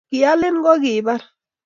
kialin kokibar